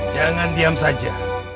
jangan diam saja